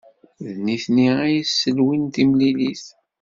D nitni ay yesselwin timlilit.